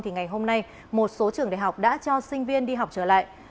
thì ngày hôm nay một số trường đại học đã cho sinh viên đi học trở lại